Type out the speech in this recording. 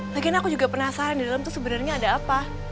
mungkin aku juga penasaran di dalam tuh sebenarnya ada apa